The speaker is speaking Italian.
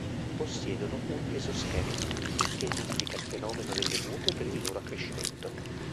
Possiedono un esoscheletro, il che implica il fenomeno delle mute per il loro accrescimento.